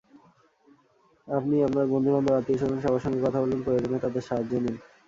আপনি আপনার বন্ধুবান্ধব, আত্মীয়স্বজন—সবার সঙ্গে কথা বলুন, প্রয়োজনে তাঁদের সাহায্য নিন।